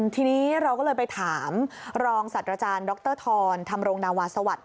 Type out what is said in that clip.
ทีนี้เราก็เลยไปถามรองศัตว์อาจารย์ดรธรธรรมรงนาวาสวัสดิ